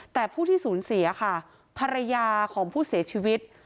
แต่ผู้ที่สูญเสียค่ะภรรยาของผู้เสียชีวิต